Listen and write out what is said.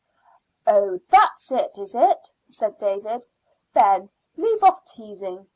"Oh, that's it, is it?" said David. "Ben, leave off teasing."